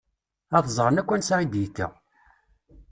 Ad ẓṛen akk ansa i d-yekka.